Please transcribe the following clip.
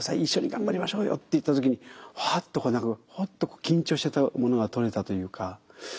一緒に頑張りましょうよ」って言った時に「は」っとこう何か「ほっ」と緊張してたものが取れたというか。